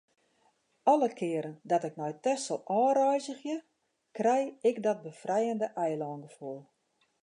Alle kearen dat ik nei Texel ôfreizgje, krij ik dat befrijende eilângefoel.